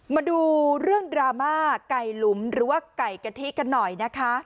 มาดูเรื่องดราม่าไก่หลุมหรือว่าไก่กะทิกันหน่อยนะคะ